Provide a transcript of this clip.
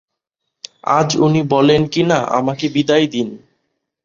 আজ উনি বলেন কিনা, আমাকে বিদায় দিন।